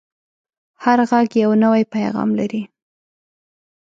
هر غږ یو نوی پیغام لري